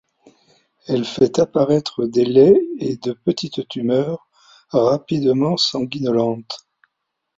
Elle fait apparaître des laies et de petites tumeurs, rapidement sanguinolentes.